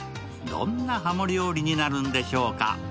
どんなハモ料理になるんでしょうか。